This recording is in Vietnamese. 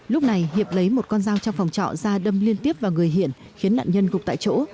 lúc này hiệp lấy một con dao trong phòng trọ ra đâm liên tiếp vào người hiển khiến nạn nhân gục tại chỗ